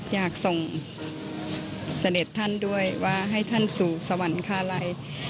อยากส่งเสด็จท่านด้วยว่าให้ท่านสู่สวรรคาลัย